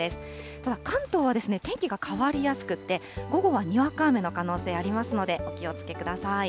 ただ、関東は天気が変わりやすくて、午後はにわか雨の可能性ありますので、お気をつけください。